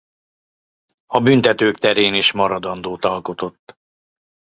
A büntetők terén is maradandót alkotott.